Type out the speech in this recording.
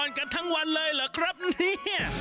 โอ้โฮจะขอพรกันทั้งวันเลยเหรอครับนี่